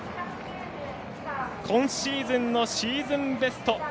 今シーズンのシーズンベスト。